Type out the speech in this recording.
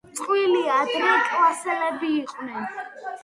წყვილი ადრე კლასელები იყვნენ.